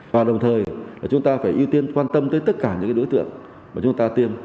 và đồng thời chúng ta phải ưu tiên quan tâm tới tất cả những đối tượng mà chúng ta tiêm